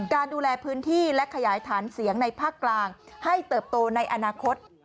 ดูแลพื้นที่และขยายฐานเสียงในภาคกลางให้เติบโตในอนาคต